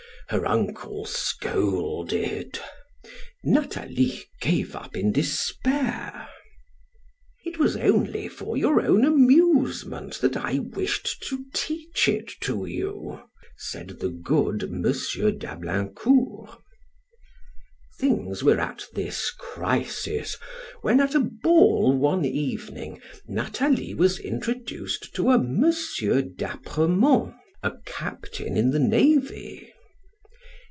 Her uncle scolded. Nathalie gave up in despair. "It was only for your own amusement that I wished to teach it to you," said the good M. d'Ablaincourt. Things were at this crisis when, at a ball one evening, Nathalie was introduced to a M. d'Apremont, a captain in the navy.